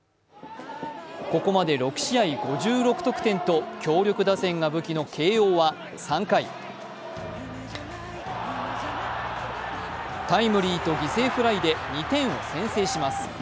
ここまで６試合５６得点と強力打線が武器の慶応は３回、タイムリーと犠牲フライで２点を先制します。